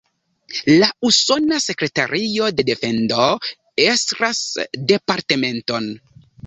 La Usona Sekretario de Defendo estras departementon.